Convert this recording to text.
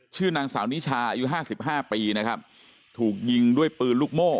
ชื่อนางสาวนิชาอายุห้าสิบห้าปีนะครับถูกยิงด้วยปืนลูกโม่